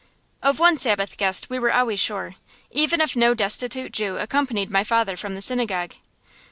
Of one Sabbath guest we were always sure, even if no destitute Jew accompanied my father from the synagogue.